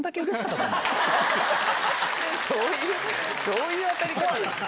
どういう当たり方ですか？